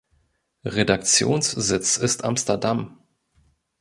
Redaktionssitz ist Amsterdam.